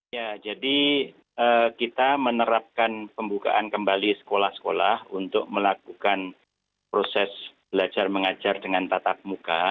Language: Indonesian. ya jadi kita menerapkan pembukaan kembali sekolah sekolah untuk melakukan proses belajar mengajar dengan tatap muka